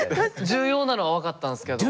重要なのは分かったんすけど。